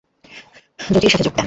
তিনি উরগঞ্জে জোচির সাথে যোগ দেন।